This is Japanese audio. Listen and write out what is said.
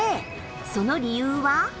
その理由は。